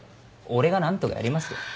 俺が何とかやりますよ。